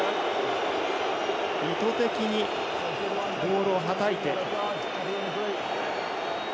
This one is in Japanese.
意図的にボールをはたいて。